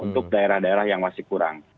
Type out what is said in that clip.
untuk daerah daerah yang masih kurang